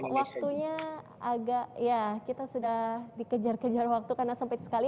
mas andanu maaf waktunya agak kita sudah dikejar kejar waktu karena sempit sekali